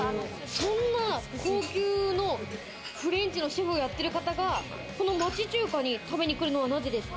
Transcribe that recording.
そんな高級なフレンチのシェフをやってる方が、この町中華に食べに来るのはなぜですか？